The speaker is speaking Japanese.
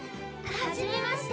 はじめまして。